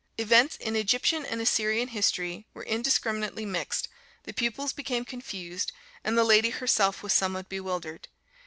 Events in Egyptian and Assyrian history were indiscriminately mixed, the pupils became confused, and the lady herself was somewhat bewildered.